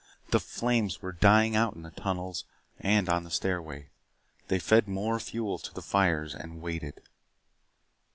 The flames were dying out in the tunnels and on the stairway. They fed more fuel to the fires and waited.